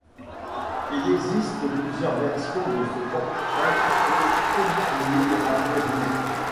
Il existe plusieurs versions de ce portrait au somptueux drapé rouge.